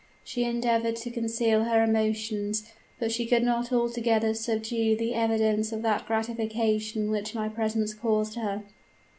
She endeavored to conceal her emotions, but she could not altogether subdue the evidence of that gratification which my presence caused her.